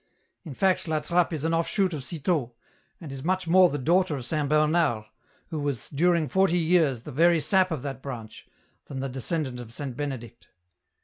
" In fact, La Trappe is an ofF shoot of Citeaux, and is much more the daughter of Saint Bernard, who was during forty years the very sap of that branch, than the descendant of Saint Benedict."